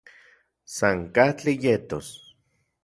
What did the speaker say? San katli yetos